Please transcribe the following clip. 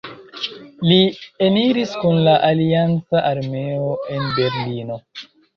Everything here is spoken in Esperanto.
Li eniris kun la alianca armeo en Berlino.